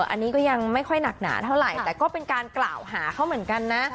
อันนี้ก็ยังไม่ค่อยหนักหนาเท่าไหร่แต่ก็เป็นการกล่าวหาเขาเหมือนกันนะ